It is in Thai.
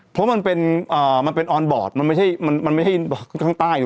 เพราะมันเป็นออนบอร์ดมันไม่ใช่ทางใต้